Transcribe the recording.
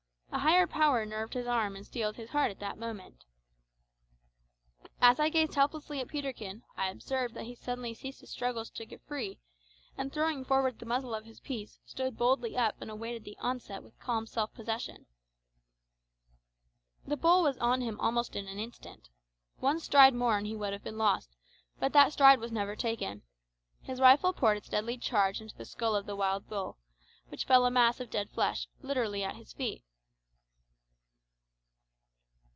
A higher Power nerved his arm and steeled his heart at that terrible moment. As I gazed helplessly at Peterkin, I observed that he suddenly ceased his struggles to get free, and throwing forward the muzzle of his piece, stood boldly up and awaited the onset with calm self possession. The bull was on him almost in an instant. One stride more and he would have been lost, but that stride was never taken. His rifle poured its deadly charge into the skull of the wild bull, which fell a mass of dead flesh, literally at his feet.